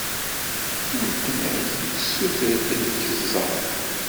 Weltma-k tessutered ad k-tẓer.